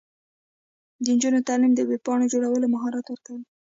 د نجونو تعلیم د ویب پاڼو جوړولو مهارت ورکوي.